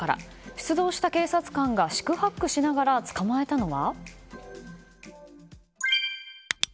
出動した警察官が四苦八苦しながら捕まえたのは。